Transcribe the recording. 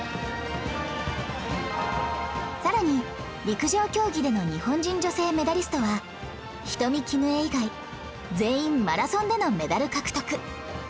さらに陸上競技での日本人女性メダリストは人見絹枝以外全員マラソンでのメダル獲得